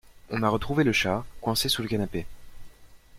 On a retrouvé le chat, coincé sous le canapé.